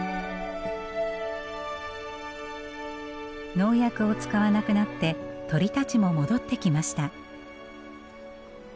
農薬を使わなくなって鳥たちも戻ってきました。